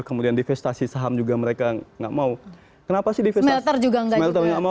kemudian di vestasi saham juga mereka tidak mau